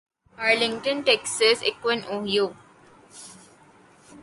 Arlington Texas Akron Ohio